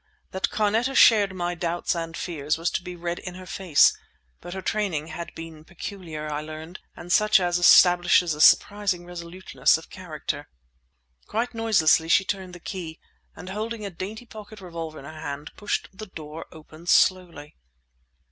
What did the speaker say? That Carneta shared my doubts and fears was to be read in her face; but her training had been peculiar, I learned, and such as establishes a surprising resoluteness of character. Quite noiselessly she turned the key, and holding a dainty pocket revolver in her hand, pushed the door open slowly!